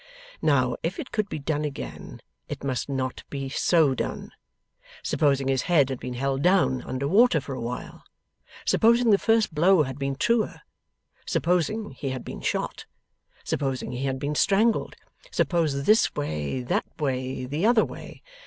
Now if it could be done again, it must not be so done. Supposing his head had been held down under water for a while. Supposing the first blow had been truer. Supposing he had been shot. Supposing he had been strangled. Suppose this way, that way, the other way.